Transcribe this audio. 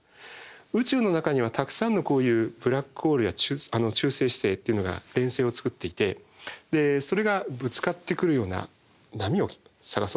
宇宙の中にはたくさんのこういうブラックホールや中性子星というのが連星をつくっていてそれがぶつかってくるような波を探そうと。